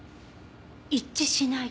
一致しない。